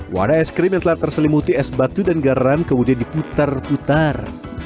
wadah es krim yang telah terselimuti es batu dan garam kemudian diputar putar